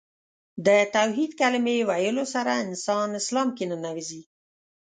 د توحید کلمې ویلو سره انسان اسلام کې ننوځي .